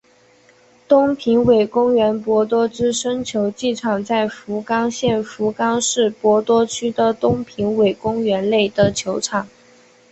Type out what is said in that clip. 东平尾公园博多之森球技场在福冈县福冈市博多区的东平尾公园内的球场。